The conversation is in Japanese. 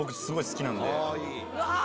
すごい好きなんで。